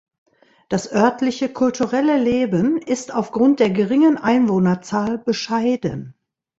Das örtliche kulturelle Leben ist aufgrund der geringen Einwohnerzahl bescheiden.